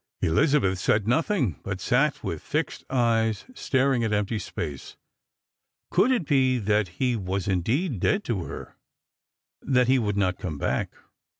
" Elizabeth said nothing; but sat with fixed eyes staring at empty space. Could it be that he was indeed dead to her ; that he would not come back